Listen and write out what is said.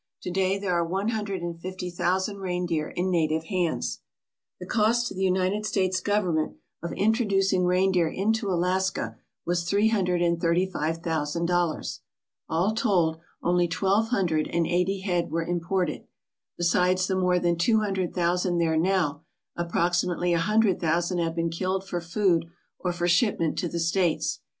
To day there are one hundred and fifty thousand reindeer in native hands. The cost to the United States Government of introduc ing reindeer into Alaska was three hundred and thirty five thousand dollars. All told, only twelve hundred and eighty head were imported. Besides the more than two hundred thousand there now, approximately a hundred thousand have been killed for food or for shipment to the States.